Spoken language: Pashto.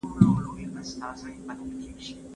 تاریخ یوازې د پخوانیو پېښو نوم نه دی.